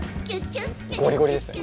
ゴリゴリですね。